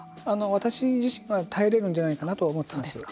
私自身は耐えれるんじゃないかなと思っています。